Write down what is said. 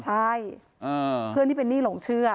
ใช่เพื่อนที่เป็นหนี้หลงเชื่อ